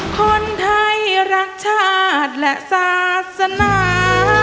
คนไทยรักชาติและศาสนา